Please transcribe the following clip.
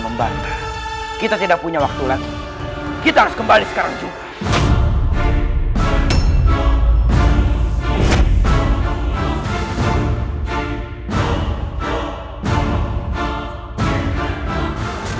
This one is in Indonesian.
gue foi nanti mereka berdua public out